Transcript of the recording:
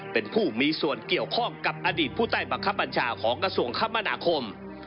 เป็นผู้มีส่วนเกี่ยวข้องกับอดีตผู้ใต้บังคับบัญชาของกระทรวงคมนาคม